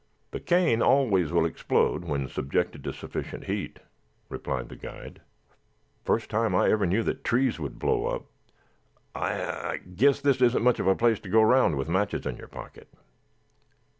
"The cane always will explode when subjected to sufficient heat," replied the guide. "First time I ever knew that trees would blow up. I I guess this isn't much of a place to go around with matches in your pocket.